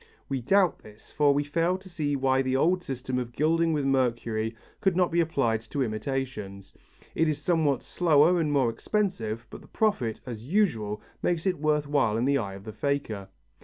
We doubt this, for we fail to see why the old system of gilding with mercury could not be applied to imitations. It is somewhat slower and more expensive, but the profit, as usual, makes it worth while in the eyes of the faker.